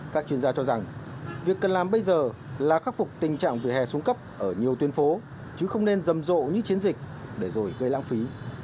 các chuyên gia cho rằng việc cần làm bây giờ là khắc phục tình trạng vỉa hè xuống cấp ở nhiều tuyến phố chứ không nên rầm rộ như chiến dịch để rồi gây lãng phí